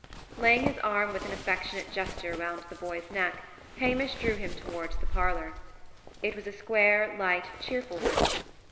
Laying his arm with an affectionate gesture round the boy's neck, Hamish drew him towards the parlour. It was a square, light, cheerful room.